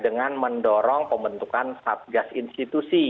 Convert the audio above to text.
dengan mendorong pembentukan satgas institusi